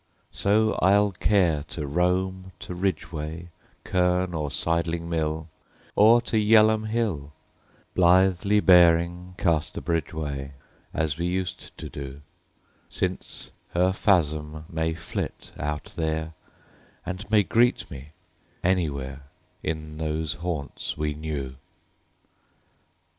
So, I'll care to roam to Ridgeway, Cerne, or Sydling Mill, Or to Yell'ham Hill, Blithely bearing Casterbridge way As we used to do, Since her phasm may flit out there, And may greet me anywhere In those haunts we knew.